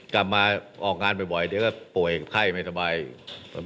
กลับมาออกงานบ่อยเดี๋ยวป่วยไข้แทบไม่สบาย